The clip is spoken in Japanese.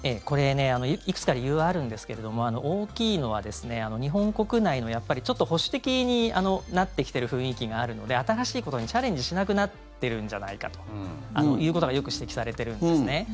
これ、いくつか理由はあるんですけれども大きいのは、日本国内のちょっと保守的になってきている雰囲気があるので新しいことにチャレンジしなくなってるんじゃないかということがよく指摘されているんですね。